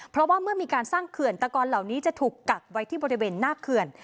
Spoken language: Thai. เพราะว่าเมื่อมีการสร้างเขื่อนตะกอนเหล่านี้จะถูกกักไว้ที่บริเวณหน้าเขื่อน